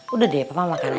udah deh papa makan aja